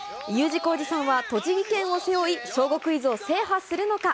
Ｕ字工事さんは栃木県を背負い、小５クイズを制覇するのか？